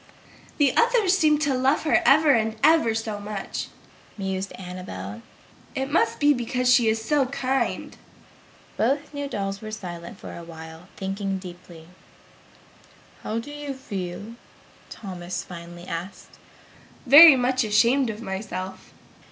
"The others seem to love her ever and ever so much!" mused Annabel. "It must be because she is so kind." Both new dolls were silent for a while, thinking deeply. "How do you feel?" Thomas finally asked. "Very much ashamed of myself!"